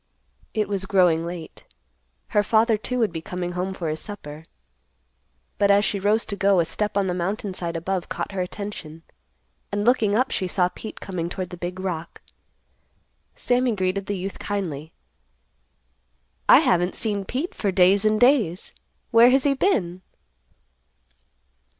It was growing late. Her father, too, would be coming home for his supper. But as she rose to go, a step on the mountain side above caught her attention, and, looking up, she saw Pete coming toward the big rock. Sammy greeted the youth kindly, "I haven't seen Pete for days and days; where has he been?"